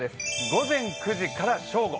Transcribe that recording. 午前９時から正午。